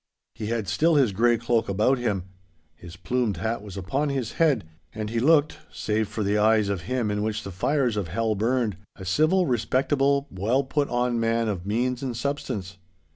He had still his grey cloak about him. His plumed hat was upon his head, and he looked, save for the eyes of him in which the fires of hell burned, a civil, respectable, well put on man of means and substance.